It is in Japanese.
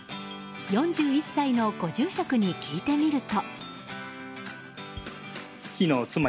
４１歳のご住職に聞いてみると。